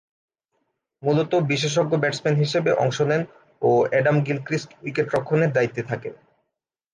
মূলতঃ বিশেষজ্ঞ ব্যাটসম্যান হিসেবে অংশ নেন ও অ্যাডাম গিলক্রিস্ট উইকেট-রক্ষণের দায়িত্বে থাকেন।